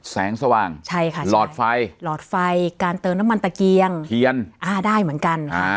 แสงสว่างใช่ค่ะหลอดไฟหลอดไฟการเติมน้ำมันตะเกียงเทียนอ่าได้เหมือนกัน